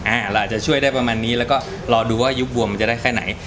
เราอาจจะช่วยได้ประมาณนี้แล้วก็รอดูว่ายุคบวมมันจะได้แค่ไหน